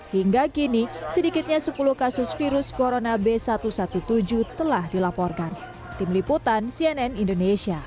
hingga kini sedikitnya sepuluh kasus virus corona b satu satu tujuh telah dilaporkan